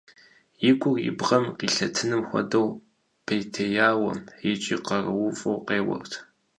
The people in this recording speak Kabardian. И гур и бгъэм къилъэтыным хуэдэу пӀейтеяуэ икӀи къарууфӀэу къеуэрт.